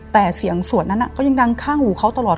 แต่เสียงสวดนั้นก็ยังดังข้างหูเขาตลอด